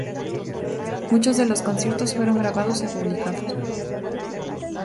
Muchos de los conciertos fueron grabados y publicados.